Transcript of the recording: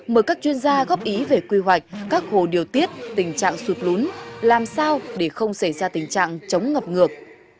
mời các chuyên gia góp ý về quy hoạch các hồ điều tiết tình trạng sụt lún làm sao để không xảy ra tình trạng chống ngập ngược